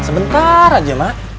sebentar aja mak